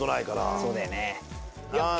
そうだよね。